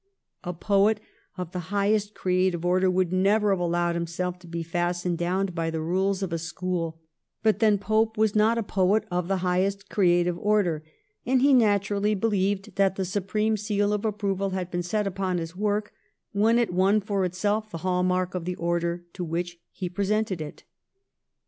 A poet of the highest creative order would never have allowed himself to be fastened down by the rules of a school ; but then Pope was not a poet of the highest creative order, and he naturally believed that the supreme seal of approval had been set upon his work when it won for itself the hall mark of the order to which he presented it.